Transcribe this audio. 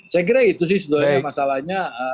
saya kira itu sih sebenarnya masalahnya